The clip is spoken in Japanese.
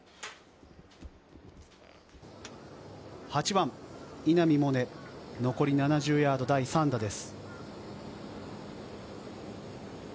８番・稲見萌寧、残り７０ヤード、第３打です。